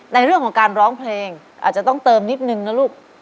ในเรื่องของการร้องเพลงอาจจะต้องเติมนิดนึงนะลูก